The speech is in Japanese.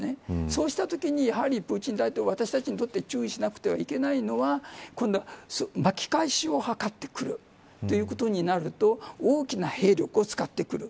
そうしたときに、私たちにとって注意しなくてはいけないのは今度は、巻き返しを図ってくるということになると大きな兵力を使ってくる。